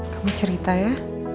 kamu cerita ya